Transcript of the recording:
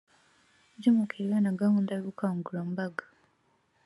by umukiriya na gahunda y ubukangurambaga